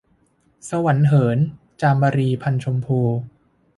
สวรรค์เหิน - จามรี พรรณชมพู